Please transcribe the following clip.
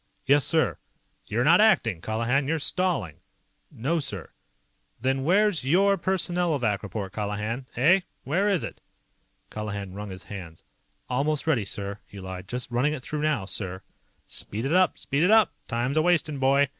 "Yes, sir!" "You're not ACTING, Colihan. You're stalling!" "No, sir." "Then where's your Personnelovac report, Colihan? Eh? Where is it?" Colihan wrung his hands. "Almost ready, sir," he lied. "Just running it through now, sir." "Speed it up. Speed it up! Time's a'wastin', boy.